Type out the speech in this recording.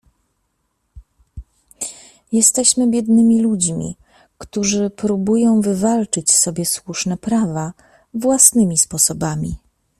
"Jesteśmy biednymi ludźmi, którzy próbują wywalczyć sobie słuszne prawa własnymi sposobami."